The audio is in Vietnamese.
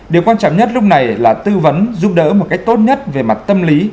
điều quan trọng nhất lúc này là tư vấn giúp đỡ một cách tốt nhất về mặt tâm lý